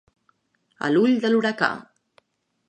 A l'ull de l'huracà.